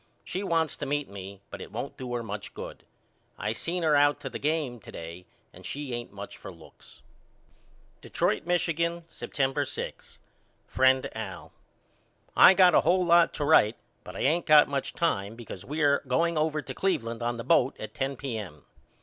She wants to meet me but it won't do her much good. I seen her out to the game to day and she ain't much for looks. Detroit, Mich., September 6. FRIEND AL: I got a hole lot to write but I ain't got much time because we are going over to Cleveland on the boat at ten P.M.